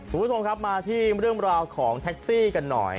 สวัสดีครับมาที่เรื่องรอของแท็กซี่กันหน่อย